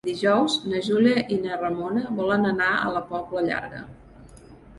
Dijous na Júlia i na Ramona volen anar a la Pobla Llarga.